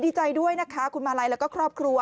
ดีใจด้วยนะคะคุณมาลัยแล้วก็ครอบครัว